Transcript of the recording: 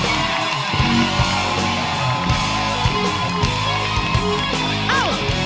มันง่ายเกินไปใช่ไหมที่ฉันยอมชุมเททุกอย่าง